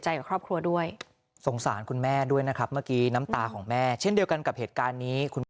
ชอบพูดหยอกพูดแกล้งอะไรแบบนั้น